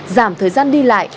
giảm thời gian đi lại